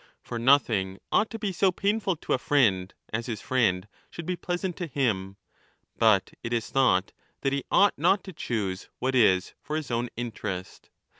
For nothing ought to be so painful to a friend as his friend should be pleasant to him/ but it is thought that he ought not to choose what is for his own interest.